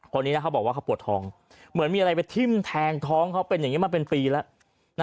คนนี้นะเขาบอกว่าเขาปวดท้องเหมือนมีอะไรไปทิ้มแทงท้องเขาเป็นอย่างนี้มาเป็นปีแล้ว